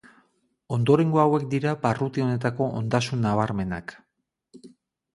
Ondorengo hauek dira barruti honetako ondasun nabarmenak.